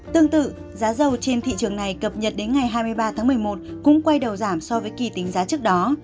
tương tự giá dầu trên thị trường này cập nhật đến ngày hai mươi ba tháng một mươi một cũng quay đầu giảm so với kỳ tính giá trước đó